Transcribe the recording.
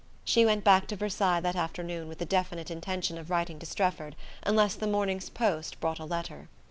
She went back to Versailles that afternoon with the definite intention of writing to Strefford unless the next morning's post brought a letter.